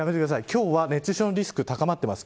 今日は熱中症のリスク高まっています。